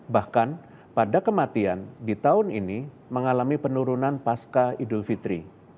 bahkan pada kematian di tahun ini mengalami penurunan pasca idul fitri